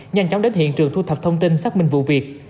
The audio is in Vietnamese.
nhanh chóng đến hiện trường thu thập thông tin xác minh vụ việc